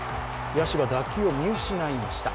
野手が打球を見失いました。